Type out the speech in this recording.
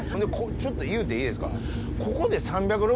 ちょっと言うていいですか？